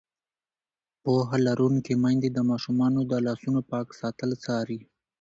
پوهه لرونکې میندې د ماشومانو د لاسونو پاک ساتل څاري.